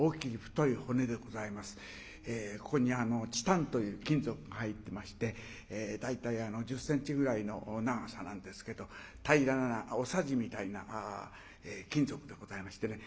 ここにチタンという金属が入ってまして大体１０センチぐらいの長さなんですけど平らなおさじみたいな金属でございましてね